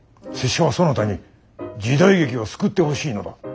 拙者はそなたに時代劇を救ってほしいのだ。